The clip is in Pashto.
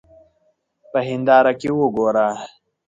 په هېنداره کې وګوره.